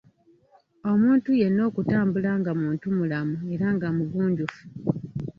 Omuntu yenna okutambula nga muntumulamu era nga mugunjufu.